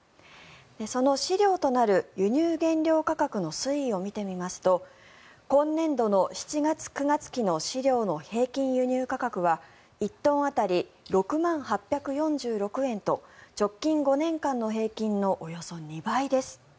その飼料となる輸入原料価格の推移を見てみますと今年度の７月−９月期の飼料の平均輸入価格は１トン当たり６万８４６円と直近５年間の平均のおよそ２倍です。